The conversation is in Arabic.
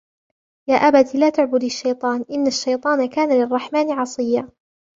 يَا أَبَتِ لَا تَعْبُدِ الشَّيْطَانَ إِنَّ الشَّيْطَانَ كَانَ لِلرَّحْمَنِ عَصِيًّا